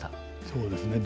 そうですね。